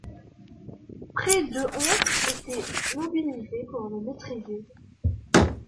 Près de ont été mobilisés pour le maîtriser.